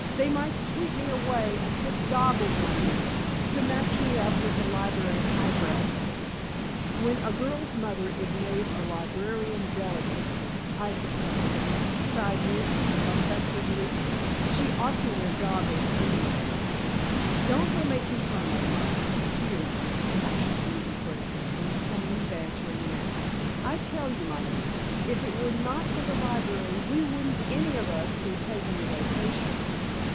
They might sweep me away and put goggles on me, to match me up with the library high brow folks. When a girl's mother is made a librarian delegate, I suppose," sighed Nancy affectedly, "she ought to wear goggles anyway." "Don't go making fun of my peers," cautioned Mrs. Brandon in the same bantering manner. "I tell you, my dear, if it were not for the library we wouldn't any of us be taking a vacation.